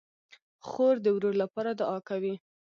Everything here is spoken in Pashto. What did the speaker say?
خور د ورور لپاره دعا کوي.